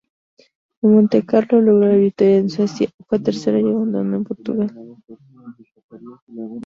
En Montecarlo logró la victoria, en Suecia fue tercero y abandonó en Portugal.